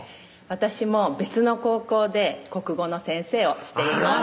私も別の高校で国語の先生をしています